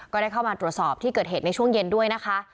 ก็ได้เข้ามาตรวจสอบที่เกิดเหตุในช่วงเย็นด้วยนะคะ